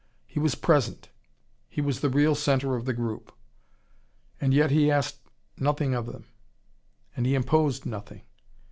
He was present, he was the real centre of the group. And yet he asked nothing of them, and he imposed nothing.